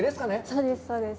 そうです、そうです。